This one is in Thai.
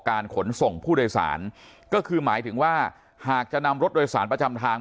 ขนส่งผู้โดยสารก็คือหมายถึงว่าหากจะนำรถโดยสารประจำทาง